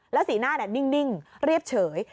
แล้วสีหน้านี่นิ่งเรียบเฉย